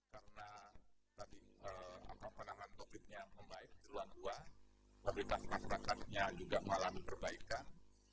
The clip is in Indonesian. pertumbuhan ekonomi juga menambahkan hasil minus secara year on year